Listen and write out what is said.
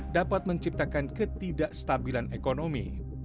dapat menciptakan ketidakstabilan ekonomi